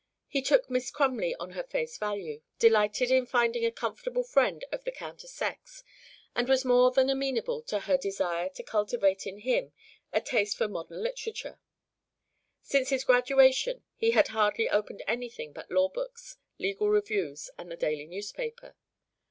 He took Miss Crumley on her face value; delighted in finding a comfortable friend of the counter sex, and was more than amenable to her desire to cultivate in him a taste for modern literature; since his graduation he had hardly opened anything but law books, legal reviews, and the daily newspaper.